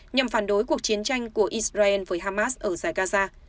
nhằm phản đối cuộc chiến tranh của israel với hamas ở zaykaza